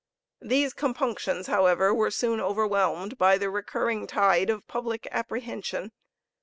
These compunctions, however, were soon overwhelmed by the recurring tide of public apprehension.